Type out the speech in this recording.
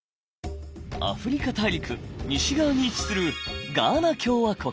アフリカ大陸西側に位置するガーナ共和国。